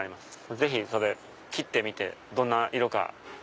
ぜひ切ってみてどんな色か。